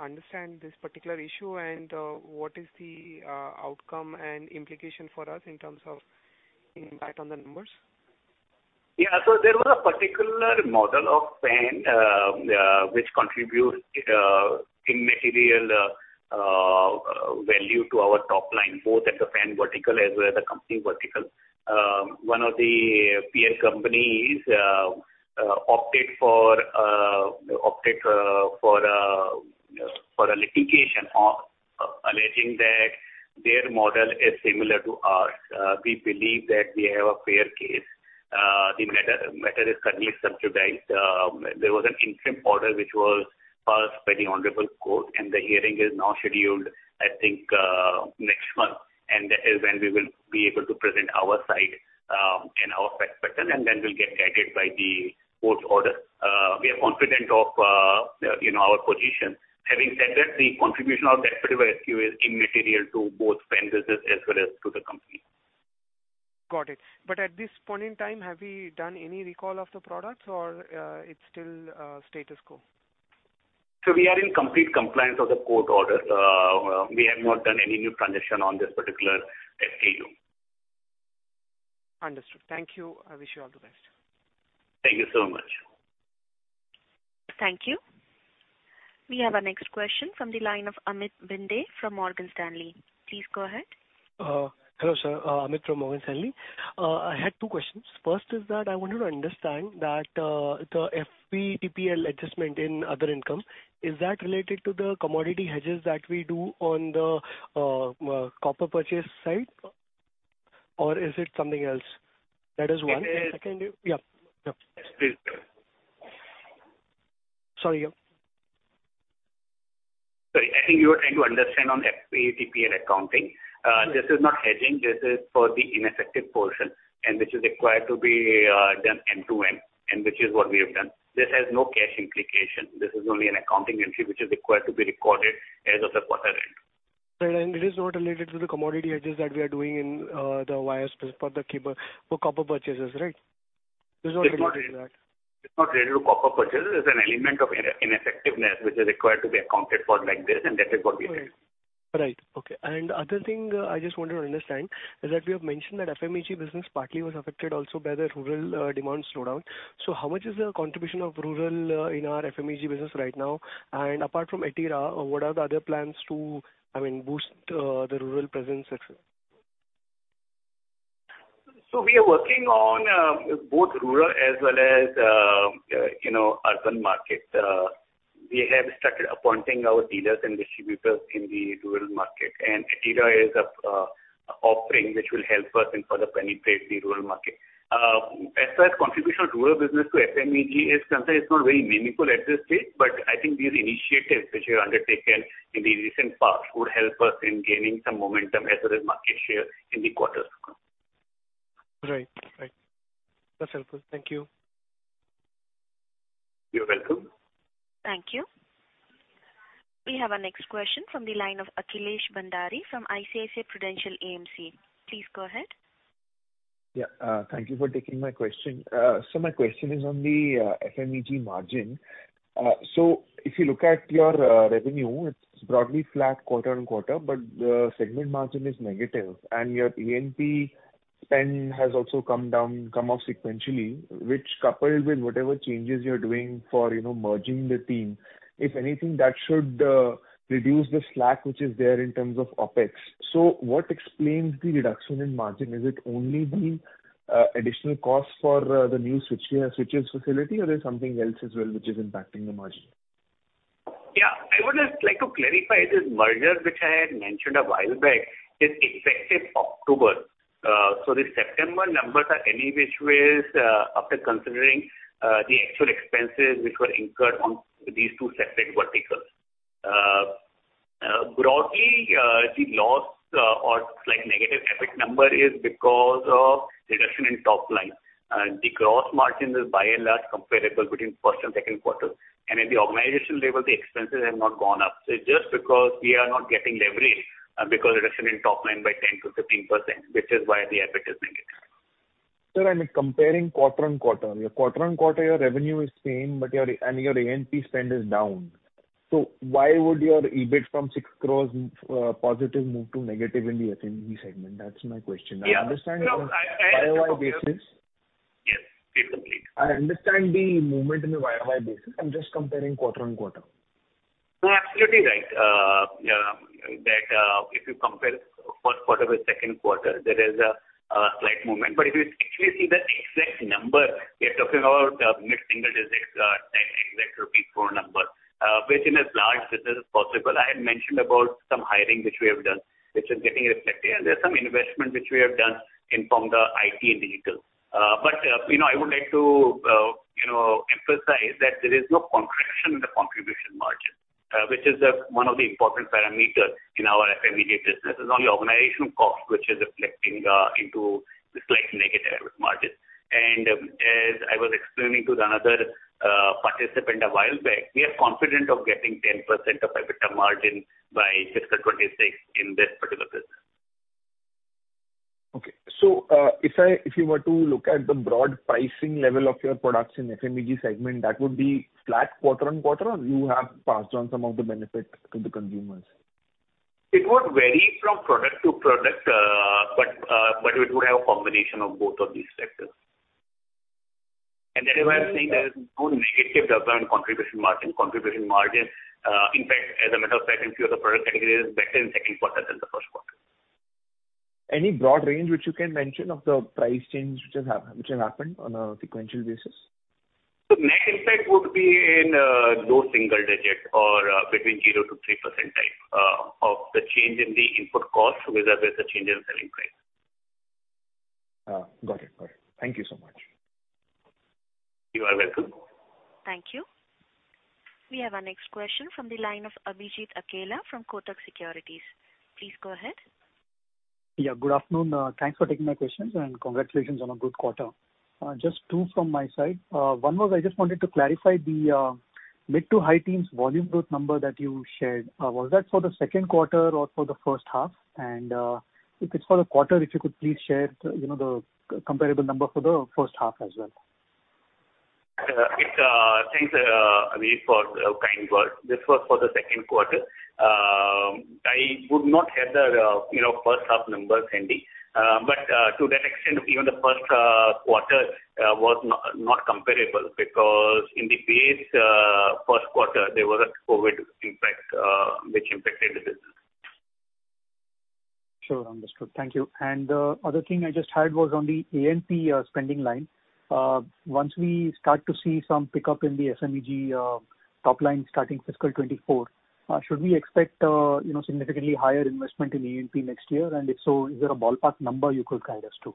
understand this particular issue and what is the outcome and implication for us in terms of impact on the numbers? Yeah. There was a particular model of fan which contributes immaterial value to our top line, both at the fan vertical as well as the company vertical. One of the peer companies opted for litigation alleging that their model is similar to ours. We believe that we have a fair case. The matter is currently sub judice. There was an interim order which was passed by the Honorable Court, and the hearing is now scheduled, I think, next month, and that is when we will be able to present our side and our perspective, and then we'll get guided by the court's order. We are confident of, you know, our position. Having said that, the contribution of that particular SKU is immaterial to both fan business as well as to the company. Got it. At this point in time, have we done any recall of the products or it's still status quo? We are in complete compliance of the court order. We have not done any new transaction on this particular SKU. Understood. Thank you. I wish you all the best. Thank you so much. Thank you. We have our next question from the line of Amit Bhinde from Morgan Stanley. Please go ahead. Hello, sir. Amit Bhinde from Morgan Stanley. I had two questions. First is that I wanted to understand that, the FVTPL adjustment in other income, is that related to the commodity hedges that we do on the copper purchase side, or is it something else? That is one. It is- Second, yeah. Yeah. Please go ahead. Sorry, yeah. Sorry. I think you are trying to understand on FVTPL and accounting. This is not hedging. This is for the ineffective portion and which is required to be done end to end, and which is what we have done. This has no cash implication. This is only an accounting entry which is required to be recorded as of the quarter end. It is not related to the commodity hedges that we are doing in the wires for the cable for copper purchases, right? This is not related to that. It's not related to copper purchases. It's an element of ineffectiveness which is required to be accounted for like this, and that is what we have done. Right. Okay. Other thing I just wanted to understand is that we have mentioned that FMEG business partly was affected also by the rural demand slowdown. How much is the contribution of rural in our FMEG business right now? Apart from Etira, what are the other plans to, I mean, boost the rural presence et cetera? We are working on both rural as well as you know urban markets. We have started appointing our dealers and distributors in the rural market, and Etira is a offering which will help us in further penetrate the rural market. As far as contribution of rural business to FMEG is concerned, it's not very meaningful at this stage, but I think these initiatives which are undertaken in the recent past would help us in gaining some momentum as well as market share in the quarters to come. Right. That's helpful. Thank you. You're welcome. Thank you. We have our next question from the line of Akhilesh Bhandari from ICICI Prudential AMC. Please go ahead. Yeah. Thank you for taking my question. My question is on the FMEG margin. If you look at your revenue, it's broadly flat quarter-on-quarter, but the segment margin is negative and your A&P spend has also come down, come off sequentially, which coupled with whatever changes you're doing for, you know, merging the team, if anything, that should reduce the slack which is there in terms of OpEx. What explains the reduction in margin? Is it only the additional cost for the new switches facility or there's something else as well which is impacting the margin? Yeah. I would just like to clarify this merger which I had mentioned a while back is effective October. The September numbers are any which ways, after considering the actual expenses which were incurred on these two separate verticals. Broadly, the loss or slight negative EBIT number is because of reduction in top line. The gross margin is by and large comparable between first and Q2. At the organization level, the expenses have not gone up. Just because we are not getting leverage, because reduction in top line by 10%-15%, which is why the EBIT is negative. Sir, I mean, comparing quarter-on-quarter. Your quarter-on-quarter, your revenue is same, but your A&P spend is down. Why would your EBIT from 6 crore positive move to negative in the FMEG segment? That's my question. Yeah. No, I I understand it on YoY basis. Yes, please complete. I understand the movement in the YoY basis. I'm just comparing quarter-over-quarter. No, absolutely right. If you compare Q1 with Q2, there is a slight movement. If you actually see the exact number, we are talking about mid-single digits, rupees 10.4 crore, which in a large business is possible. I had mentioned about some hiring which we have done, which is getting reflected, and there's some investment which we have done in the IT and digital. You know, I would like to, you know, emphasize that there is no contraction in the contribution margin, which is one of the important parameters in our FMEG business. It's only organizational cost which is reflecting into the slight negative margin. As I was explaining to another participant a while back, we are confident of getting 10% EBITDA margin by fiscal 2026 in this particular business. Okay, if you were to look at the broad pricing level of your products in FMEG segment, that would be flat quarter-on-quarter, or you have passed on some of the benefit to the consumers? It would vary from product to product, but it would have a combination of both of these factors. That is why I'm saying there is no negative effect on contribution margin. Contribution margin, in fact, as a matter of fact, in few of the product categories, better in Q2 than the Q1. Any broad range which you can mention of the price change which has happened on a sequential basis? The net impact would be in low single digits or between 0%-3% of the change in the input cost vis-à-vis the change in selling price. Got it. Thank you so much. You are welcome. Thank you. We have our next question from the line of Abhijit Akella from Kotak Securities. Please go ahead. Yeah, good afternoon. Thanks for taking my questions and congratulations on a good quarter. Just two from my side. One was I just wanted to clarify the mid-to-high teens volume growth number that you shared. Was that for the Q2 or for the first half? If it's for the quarter, if you could please share the, you know, the comparable number for the first half as well. Thanks, Abhijit, for the kind words. This was for the Q2. I would not have the, you know, first half numbers handy. To that extent, even the Q1 was not comparable because in the base Q1, there was a COVID impact, which impacted the business. Sure, understood. Thank you. The other thing I just had was on the A&P spending line. Once we start to see some pickup in the FMEG top line starting fiscal 2024, should we expect, you know, significantly higher investment in A&P next year? If so, is there a ballpark number you could guide us to?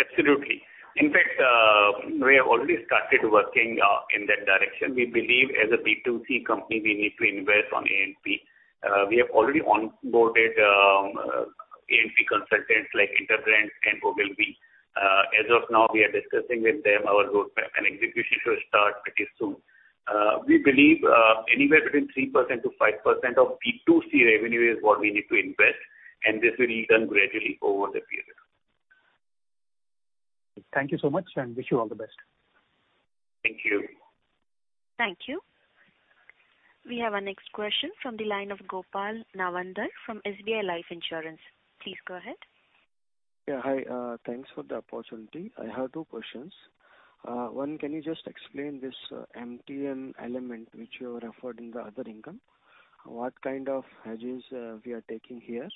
Absolutely. In fact, we have already started working in that direction. We believe as a B2C company, we need to invest on A&P. We have already onboarded A&P consultants like Interbrand and Ogilvy. As of now, we are discussing with them our roadmap and execution should start pretty soon. We believe anywhere between 3%-5% of B2C revenue is what we need to invest, and this will be done gradually over the period. Thank you so much, and wish you all the best. Thank you. Thank you. We have our next question from the line of Gopal Navandar from SBI Life Insurance. Please go ahead. Yeah, hi. Thanks for the opportunity. I have two questions. One, can you just explain this MTM element which you referred in the other income? What kind of hedges we are taking here?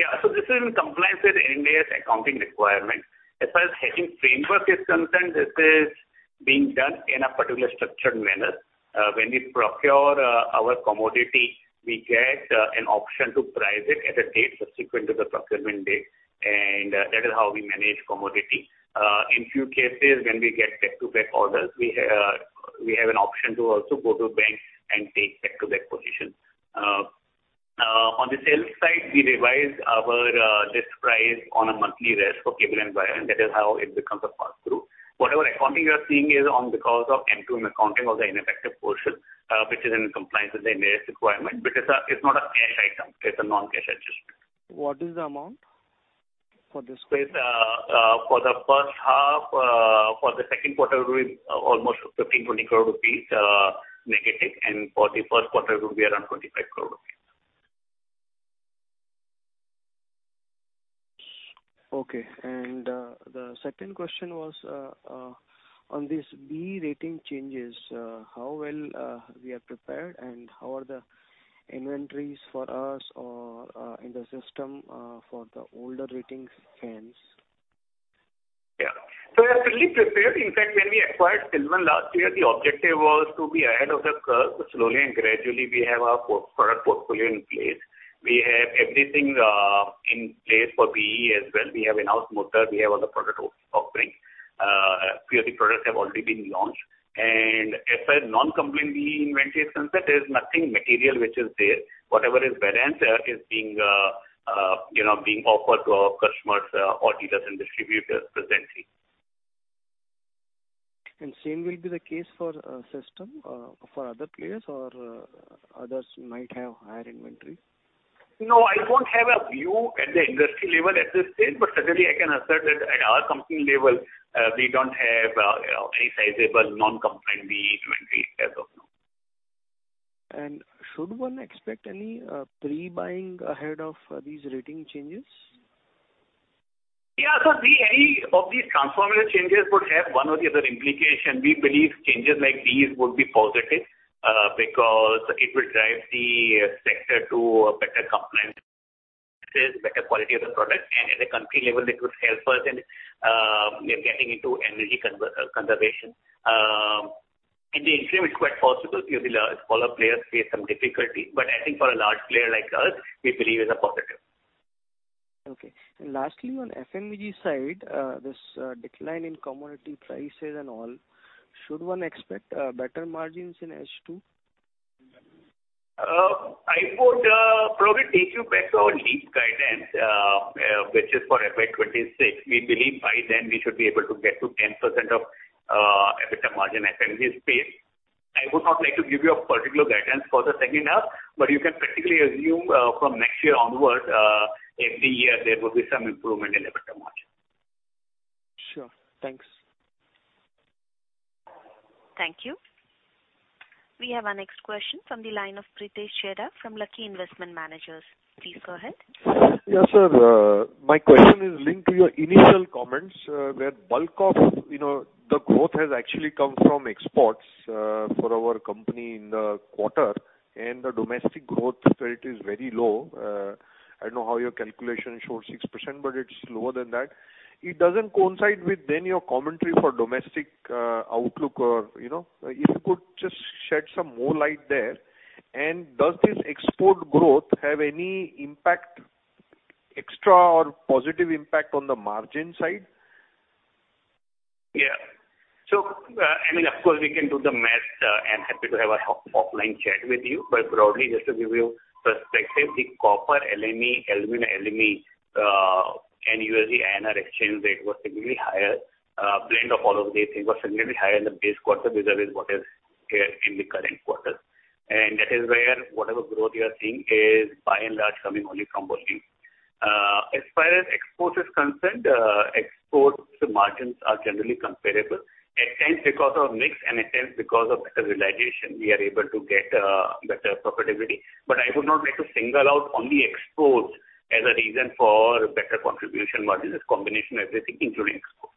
Yeah. This is in compliance with India's accounting requirements. As far as hedging framework is concerned, this is being done in a particular structured manner. When we procure our commodity, we get an option to price it at a date subsequent to the procurement date, and that is how we manage commodity. In few cases, when we get back-to-back orders, we have an option to also go to a bank and take back-to-back positions. On the sales side, we revise our list price on a monthly basis for cable and wire, and that is how it becomes a pass-through. Whatever accounting you are seeing is only because of MTM accounting or the ineffective portion, which is in compliance with the Ind AS requirement. But it's not a cash item. It's a non-cash adjustment. What is the amount for this quarter? It's for the first half, for the Q2 it will be almost 15 crore-20 crore rupees negative, and for the Q1 it will be around 25 crore rupees. Okay. The second question was on this BEE rating changes, how well we are prepared and how are the inventories for us or in the system for the older ratings stands? Yeah. We are fully prepared. In fact, when we acquired Silvan last year, the objective was to be ahead of the curve. Slowly and gradually we have our product portfolio in place. We have everything in place for BEE as well. We have in-house motor, we have other product offerings. Few of the products have already been launched. As far as non-compliant BEE inventory is concerned, there is nothing material which is there. Whatever is variance is being, you know, offered to our customers or dealers and distributors presently. Same will be the case for other players or others might have higher inventory? No, I don't have a view at the industry level at this stage, but certainly I can assert that at our company level, we don't have, you know, any sizable non-compliant BEE inventory as of now. Should one expect any pre-buying ahead of these rating changes? Yeah. Any of these transformative changes would have one or the other implication. We believe changes like these would be positive, because it will drive the sector to a better compliance, better quality of the product. At a country level, it would help us in getting into energy conservation. In the interim, it's quite possible few of the smaller players face some difficulty, but I think for a large player like us, we believe is a positive. Okay. Lastly, on FMEG side, this decline in commodity prices and all, should one expect better margins in H2? I would probably take you back to our latest guidance, which is for FY 2026. We believe by then we should be able to get to 10% EBITDA margin as an industry. I would not like to give you a particular guidance for the second half, but you can practically assume from next year onwards every year there will be some improvement in EBITDA margin. Sure. Thanks. Thank you. We have our next question from the line of Pritesh Chheda from Lucky Investment Managers. Please go ahead. Yes, sir. My question is linked to your initial comments, where bulk of, you know, the growth has actually come from exports, for our company in the quarter and the domestic growth rate is very low. I don't know how your calculation shows 6%, but it's lower than that. It doesn't coincide with then your commentary for domestic, outlook or, you know. If you could just shed some more light there. Does this export growth have any impact, extra or positive impact on the margin side? Yeah. I mean, of course, we can do the math. I'm happy to have a offline chat with you. Broadly just to give you perspective, the copper LME, aluminum LME, and USD INR exchange rate was significantly higher. Blend of all of these things was significantly higher in the base quarter vis-a-vis what is here in the current quarter. That is where whatever growth you are seeing is by and large coming only from volume. As far as export is concerned, exports margins are generally comparable. At times because of mix and at times because of better realization we are able to get, better profitability. I would not like to single out only exports as a reason for better contribution margins. It's combination of everything including exports.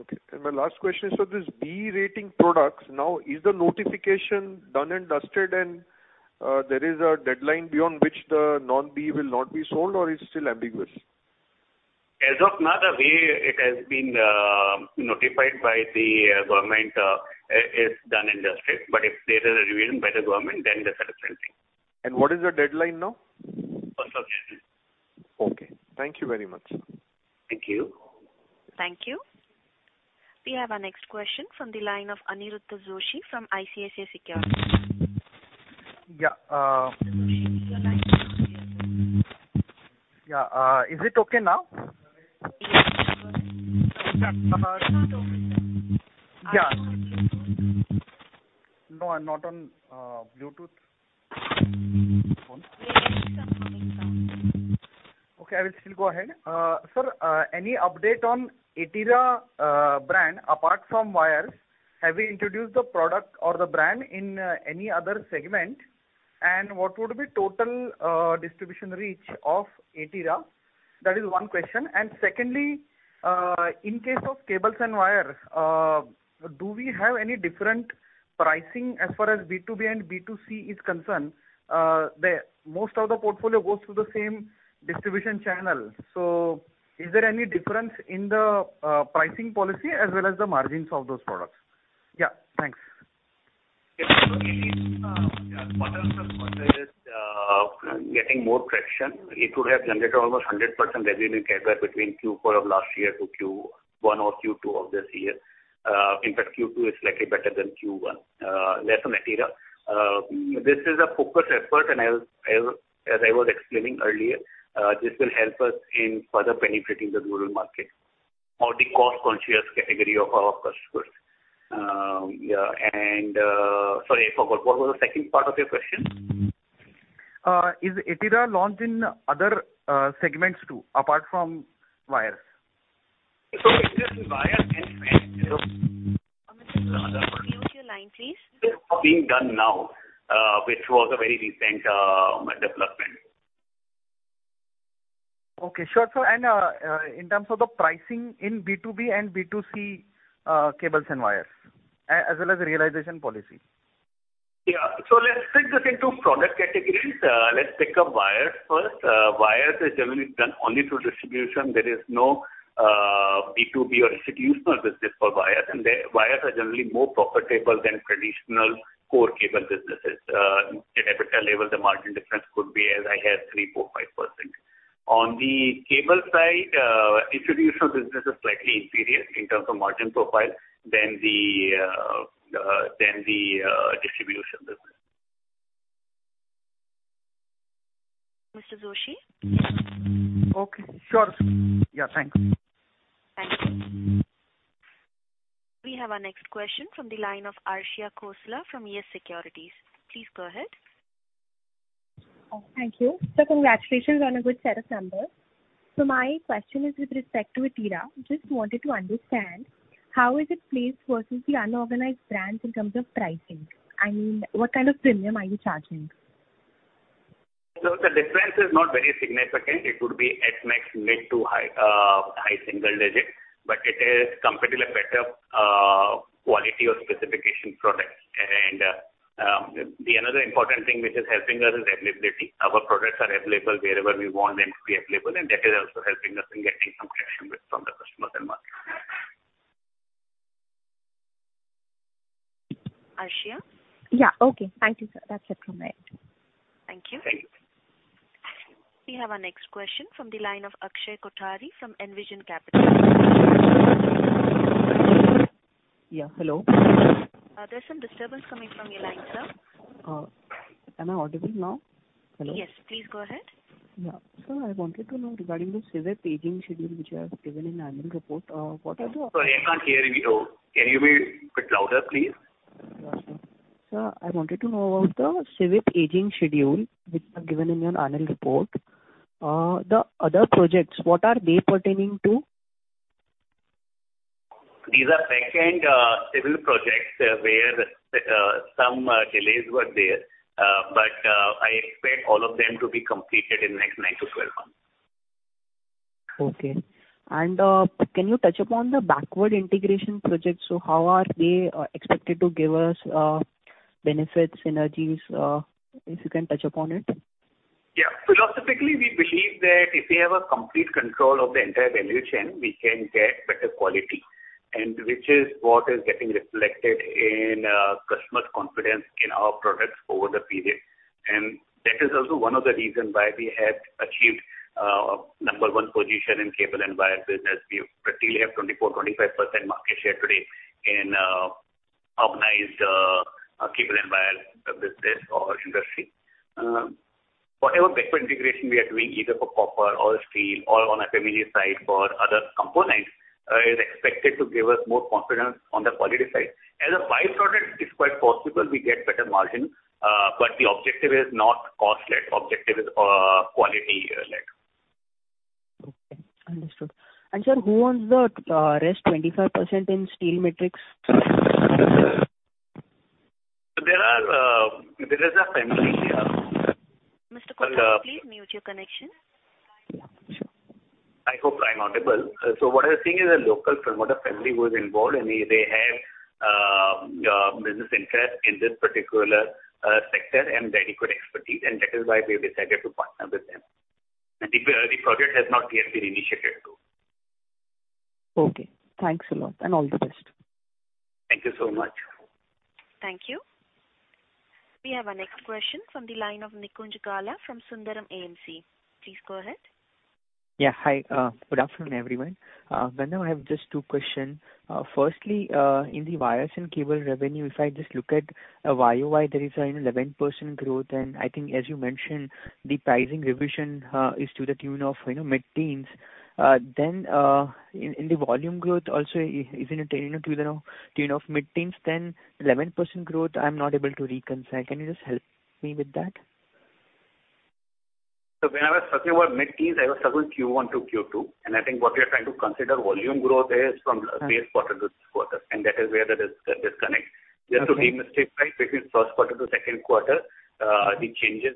Okay. My last question, so this BEE rating products, now is the notification done and dusted and, there is a deadline beyond which the non-BEE will not be sold or is still ambiguous? As of now, the way it has been notified by the government is done and dusted, but if there is a revision by the government then that's a different thing. What is the deadline now? First of January. Okay. Thank you very much. Thank you. Thank you. We have our next question from the line of Aniruddha Joshi from ICICI Securities. Yeah. Mr. Joshi, your line is broken. Yeah, is it okay now? Yes. It's not open, sir. Yeah. No, I'm not on Bluetooth phone. Please mute and unmute now. Okay, I will still go ahead. Sir, any update on Etira brand apart from wires? Have we introduced the product or the brand in any other segment? What would be total distribution reach of Etira? That is one question. Secondly, in case of cables and wires, do we have any different pricing as far as B2B and B2C is concerned? The most of the portfolio goes through the same distribution channel, so is there any difference in the pricing policy as well as the margins of those products? Yeah. Thanks. Yeah. In quarter after quarter it is getting more traction. It would have generated almost 100% revenue CAGR between Q4 of last year to Q1 or Q2 of this year. In fact, Q2 is slightly better than Q1. That's on Etira. This is a focused effort and as I was explaining earlier, this will help us in further penetrating the rural market or the cost-conscious category of our customers. Sorry, I forgot. What was the second part of your question? Is Etira launched in other segments too apart from wires? Existing wires and Mr. Joshi, mute your line, please. being done now, which was a very recent development. Okay. Sure, sir. In terms of the pricing in B2B and B2C, cables and wires as well as realization policy. Let's take this into product categories. Let's pick up wires first. Wires is generally done only through distribution. There is no B2B or institutional business for wires. Wires are generally more profitable than traditional core cable businesses. At EBITDA level, the margin difference could be as high as 3%-5%. On the cable side, institutional business is slightly inferior in terms of margin profile than the distribution business. Mr. Joshi? Okay. Sure. Yeah. Thanks. Thanks. We have our next question from the line of Arshia Khosla from YES SECURITIES. Please go ahead. Thank you. Congratulations on a good set of numbers. My question is with respect to Etira. Just wanted to understand how is it placed versus the unorganized brands in terms of pricing, and what kind of premium are you charging? The difference is not very significant. It would be at max mid to high, high single digit, but it is comparatively better, quality or specification product. The another important thing which is helping us is availability. Our products are available wherever we want them to be available, and that is also helping us in getting some traction with from the customers and market. Arshia? Yeah. Okay. Thank you, sir. That's it from my end. Thank you. We have our next question from the line of Akshay Kothari from Envision Capital. Yeah, hello. There's some disturbance coming from your line, sir. Am I audible now? Hello? Yes, please go ahead. Yeah. Sir, I wanted to know regarding the receivables aging schedule which you have given in the annual report, what are the? Sorry, I can't hear you. Can you be a bit louder, please? Yes, sure. Sir, I wanted to know about the CapEx aging schedule which you have given in your annual report. The other projects, what are they pertaining to? These are back-end civil projects where some delays were there. I expect all of them to be completed in next 9-12 months. Okay. Can you touch upon the backward integration projects? How are they expected to give us benefits, synergies, if you can touch upon it? Yeah. Philosophically, we believe that if we have a complete control of the entire value chain, we can get better quality and which is what is getting reflected in customer's confidence in our products over the period. That is also one of the reason why we had achieved number one position in cable and wire business. We particularly have 24%-25% market share today in organized cable and wire business or industry. Whatever backward integration we are doing, either for copper or steel or on a family side for other components, is expected to give us more confidence on the quality side. As a by-product, it's quite possible we get better margin, but the objective is not cost led, objective is quality led. Okay, understood. Sir, who owns the rest 25% in Steel Metrics? There is a family. Mr. Kothari, please mute your connection. I hope I'm audible. What I was saying is a local promoter family was involved, and they have business interest in this particular sector and very good expertise, and that is why we have decided to partner with them. The project has not yet been initiated though. Okay, thanks a lot and all the best. Thank you so much. Thank you. We have our next question from the line of Nikunj Gala from Sundaram AMC. Please go ahead. Yeah, hi. Good afternoon, everyone. Gandharv, I have just two question. Firstly, in the wires and cable revenue, if I just look at a YoY, there is an 11% growth. I think as you mentioned, the pricing revision is to the tune of, you know, mid-teens. In the volume growth also, isn't it in tune of mid-teens then 11% growth? I'm not able to reconcile. Can you just help me with that? When I was talking about mid-teens, I was talking Q1 to Q2, and I think what we are trying to consider volume growth there is from base quarter to this quarter, and that is where there is a disconnect. Just to demystify between Q1 to Q2, the changes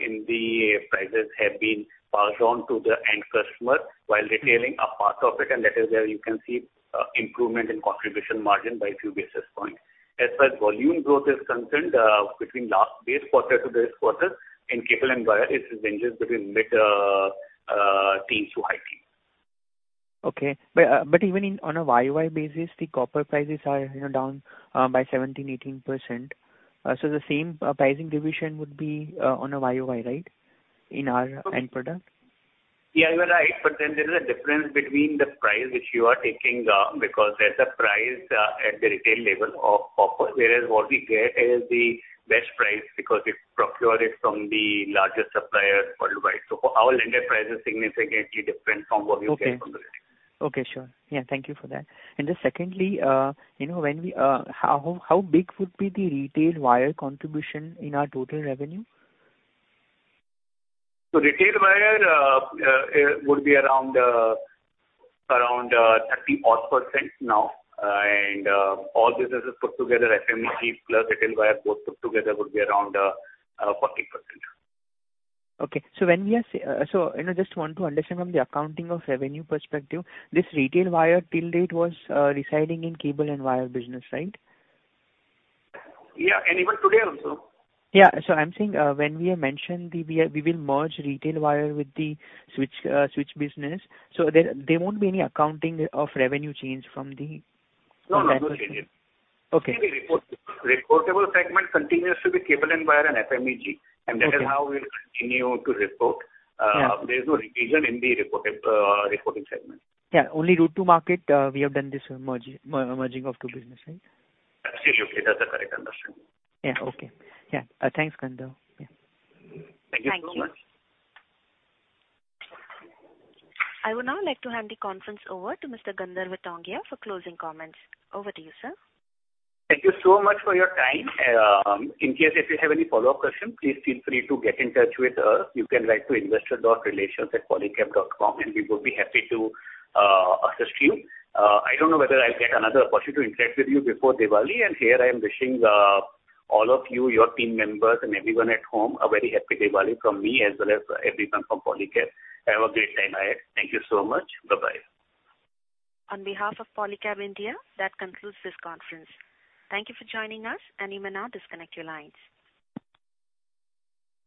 in the prices have been passed on to the end customer while retailing a part of it, and that is where you can see improvement in contribution margin by a few basis points. As far as volume growth is concerned, between last base quarter to this quarter in cable and wire, it ranges between mid teens to high teens. Okay. Even on a YoY basis, the copper prices are, you know, down by 17%-18%. So the same pricing revision would be on a YoY, right? In our end product. Yeah, you are right, but then there is a difference between the price which you are taking, because that's a price at the retail level of copper, whereas what we get is the best price because we procure it from the largest supplier worldwide. Our landed price is significantly different from what you get from the retail. Okay. Okay, sure. Yeah. Thank you for that. Just secondly, you know, how big would be the retail wire contribution in our total revenue? Retail wire, it would be around 30-odd percent now. All businesses put together, FMEG plus retail wire both put together would be around 40%. Okay. When we are, you know, just want to understand from the accounting of revenue perspective, this retail wire till date was residing in cable and wire business, right? Yeah. Even today also. Yeah. I'm saying, when we have mentioned we will merge retail wire with the switch business. There won't be any accounting of revenue change from the- No, no. No change. Okay. Reportable segment continues to be cable and wire and FMEG, and that is how we'll continue to report. There's no revision in the reporting segment. Yeah, only route to market. We have done this merging of two businesses, right? Yes. That's a correct understanding. Yeah. Okay. Yeah. Thanks, Gandharv. Yeah. Thank you so much. Thank you. I would now like to hand the conference over to Mr. Gandharv Tongia for closing comments. Over to you, sir. Thank you so much for your time. In case if you have any follow-up questions, please feel free to get in touch with us. You can write to investor.relations@polycab.com and we would be happy to assist you. I don't know whether I'll get another opportunity to interact with you before Diwali, and here I am wishing all of you, your team members, and everyone at home a very happy Diwali from me as well as everyone from Polycab. Have a great time ahead. Thank you so much. Bye-bye. On behalf of Polycab India, that concludes this conference. Thank you for joining us, and you may now disconnect your lines.